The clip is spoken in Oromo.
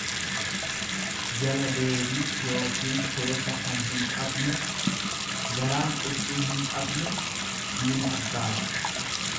jala deebii yookiin seesa kan hinqabne; Garaan qurxii hin qabne diina abbaati.